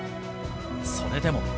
それでも。